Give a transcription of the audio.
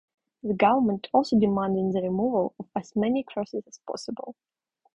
The government also demanded the removal of as many crosses as possible.